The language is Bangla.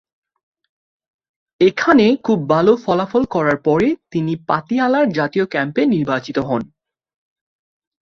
এখানে খুব ভালো ফলাফল করার পরে, তিনি পাতিয়ালা-র জাতীয় ক্যাম্পে নির্বাচিত হন।